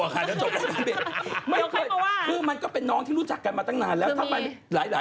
เกือกฝ่าที่รู้จักเชิงเองแต่เราไปลงรักเขา